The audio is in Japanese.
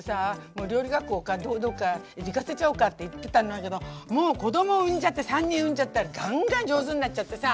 もう料理学校かどっか行かせちゃおうかって言ってたんだけどもう子供産んじゃって３人産んじゃったらガンガン上手になっちゃってさ。